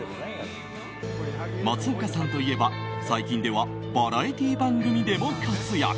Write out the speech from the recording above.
松岡さんといえば、最近ではバラエティー番組でも活躍。